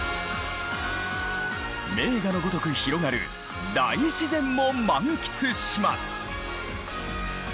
名画のごとく広がる大自然も満喫します！